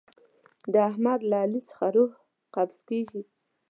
د احمد له علي څخه روح قبض کېږي.